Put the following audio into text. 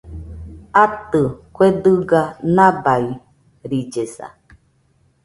Atɨ , kue dɨga nabairillesa